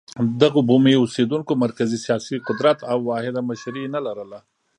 دغو بومي اوسېدونکو مرکزي سیاسي قدرت او واحده مشري نه لرله.